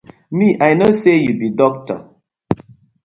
Mi I no say yu bi dokta.